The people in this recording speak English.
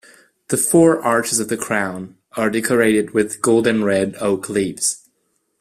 The four arches of the crown are decorated with gold and red oak leaves.